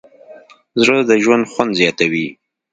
زړه د ژوند خوند زیاتوي.